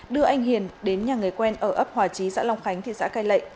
đưa anh hiền đến nhà người quen ở ấp hòa chí xã long khánh thị xã cai lệ